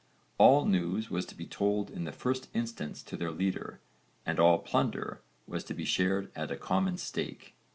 All news was to be told in the first instance to their leader and all plunder was to be shared at a common stake.